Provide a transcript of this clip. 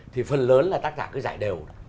thì phần lớn là tác giả cứ giải đều